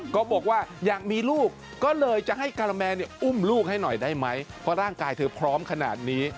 ก็บอกว่าอยากมีลูกก็เลยจะให้การาแมนอุ้มลูกให้หน่อยได้ไหมเพราะร่างกายเธอพร้อมขนาดนี้